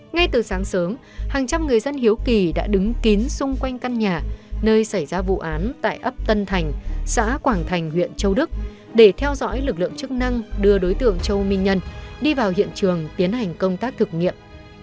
ngay từ sáng sớm hàng trăm người dân hiếu kỳ đã đứng kín xung quanh căn nhà nơi xảy ra vụ án tại ấp tân thành xã quảng thành huyện châu đức để theo dõi lực lượng chức năng đưa đối tượng châu minh nhân đi vào hiện trường tiến hành công tác thực nghiệm